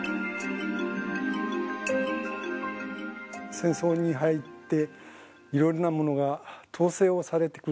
戦争に入っていろいろなものが統制をされて来る。